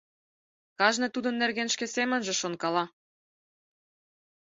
Кажне тудын нерген шке семынже шонкала.